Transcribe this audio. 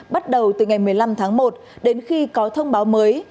bắt đầu từ ngày một mươi năm tháng một đến khi có thông báo mới